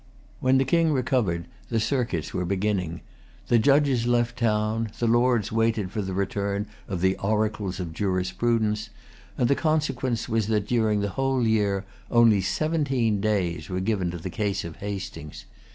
When the King recovered the circuits were beginning. The Judges left town; the Lords waited for the return of the oracles of jurisprudence; and the consequence was that during the whole year only seventeen days were given to the case of Hastings.